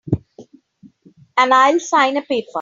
And I'll sign a paper.